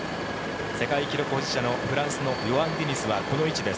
世界記録保持者のフランスのヨアン・ディニズはこの位置です。